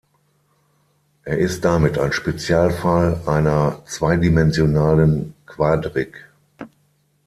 Er ist damit ein Spezialfall einer zweidimensionalen Quadrik.